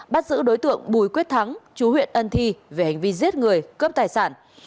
bắt giữ đối tượng bùi quyết thắng chú huyện ân thi về hành vi giết người cướp tài sản